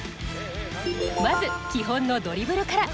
まず基本のドリブルから。